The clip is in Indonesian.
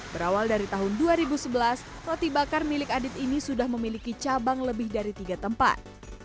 berawal dari tahun dua ribu sebelas roti bakar milik adit ini sudah memiliki cabang lebih dari tiga tempat